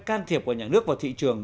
can thiệp của nhà nước vào thị trường